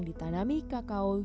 alot tadi dan lagi tadi